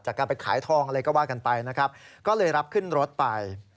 จากการไปขายทองอะไรก็ว่ากันไปนะครับก็เลยรับขึ้นรถไป